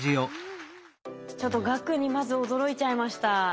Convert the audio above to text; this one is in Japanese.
ちょっと額にまず驚いちゃいました。